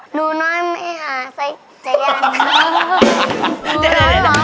หนูน้อยไม่หาใส่ใจยัน